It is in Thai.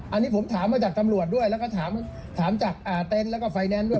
อันนี้ผมถามมาจากตำรวจด้วยแล้วก็ถามจากเต็นต์แล้วก็ไฟแนนซ์ด้วย